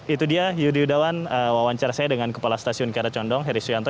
itu dia yudhiyudawan wawancara saya dengan kepala stasiun kera condong heri suyanto